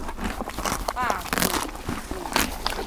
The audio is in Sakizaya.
kapah tu kaku